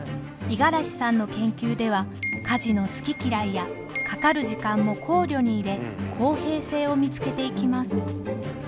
五十嵐さんの研究では家事の好き嫌いやかかる時間も考慮に入れ公平性を見つけていきます。